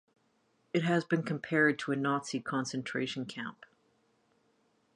It has been compared to a Nazi concentration camp.